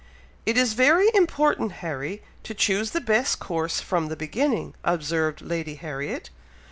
"It is very important. Harry, to choose the best course from the beginning," observed Lady Harriet.